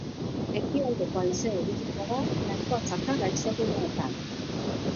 Ekialdeko haizea ibiliko da, nahikoa zakar haizeguneetan.